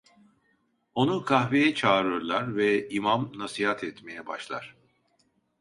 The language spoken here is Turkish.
Onu kahveye çağırırlar ve imam nasihat etmeye başlar.